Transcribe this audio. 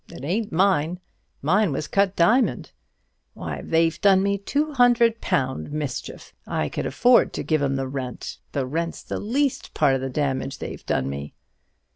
It ain't mine; mine was di'mond cut. Why, they've done me two hundred pound mischief. I could afford to forgive 'em the rent. The rent's the least part of the damage they've done me."